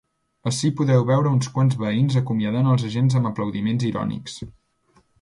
Ací podeu veure uns quants veïns acomiadant els agents amb aplaudiments irònics.